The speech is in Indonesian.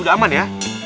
udah aman ya